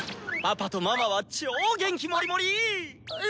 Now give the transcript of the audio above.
パパとママは超元気モリモリ！え